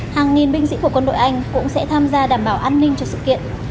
hàng nghìn binh sĩ của quân đội anh cũng sẽ tham gia đảm bảo an ninh cho sự kiện